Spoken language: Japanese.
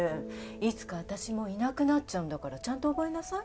いつか私もいなくなっちゃうんだからちゃんと覚えなさい。